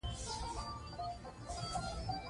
هغوی د اقتصادي پرمختیا په لټه کې دي.